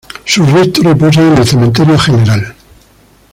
Sus restos reposan en el Cementerio General.